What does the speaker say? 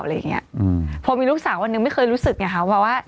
อะไรอย่างเงี้ยอืมพอมีลูกสาววันหนึ่งไม่เคยรู้สึกไงคะว่า